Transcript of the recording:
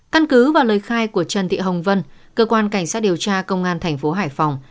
căn cứ và lời khai của trần thị hồng vân cơ quan cảnh sát điều tra công an tp hải phòng